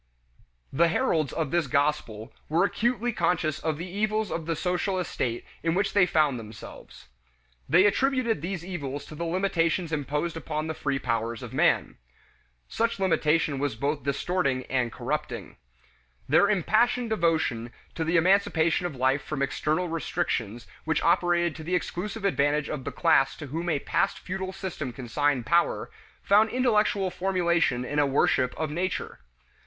The heralds of this gospel were acutely conscious of the evils of the social estate in which they found themselves. They attributed these evils to the limitations imposed upon the free powers of man. Such limitation was both distorting and corrupting. Their impassioned devotion to emancipation of life from external restrictions which operated to the exclusive advantage of the class to whom a past feudal system consigned power, found intellectual formulation in a worship of nature.